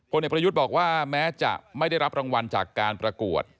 เอกประยุทธ์บอกว่าแม้จะไม่ได้รับรางวัลจากการประกวด